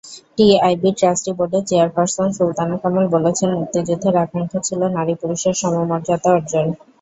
টিআইবির trustee বোর্ডের chairperson Sultana Kamal বলেছেন, মুক্তিযুদ্ধের আকাঙ্ক্ষা ছিল নারী-পুরুষের সমমর্যাদা অর্জন।